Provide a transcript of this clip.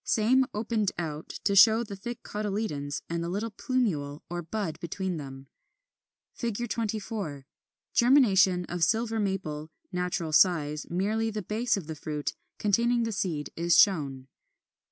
Same opened out, to show the thick cotyledons and the little plumule or bud between them. 24. Germination of Silver Maple, natural size; merely the base of the fruit, containing the seed, is shown.